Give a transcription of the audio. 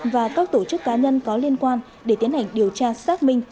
và các tổ chức cá nhân có liên quan để tiến hành điều tra xác minh